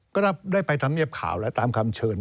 ก็ได้ไปทำเนียบข่าวแล้วตามคำเชิญ